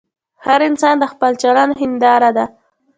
هر انسان د خپل چلند هنداره ده.